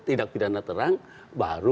tidak pidana terang baru